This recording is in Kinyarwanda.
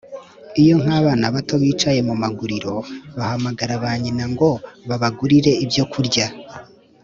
Iyo nk’abana bato bicaye mu maguriro bahamagara ba nyina ngo babagurire ibyo kurya